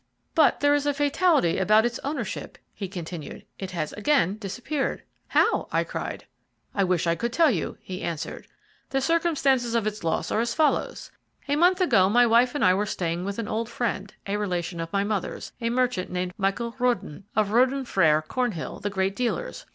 "But there is a fatality about its ownership," he continued; "it has again disappeared." "How?" I cried. "I wish I could tell you," he answered. "The circumstances of its loss are as follows: a month ago my wife and I were staying with an old friend, a relation of my mother's, a merchant named Michael Röden, of Röden Frères, Cornhill, the great dealers.